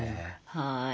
はい。